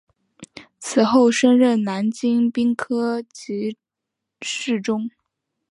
此后升任南京兵科给事中。